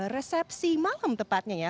resepsi malam tepatnya